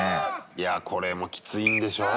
いやこれもきついんでしょう？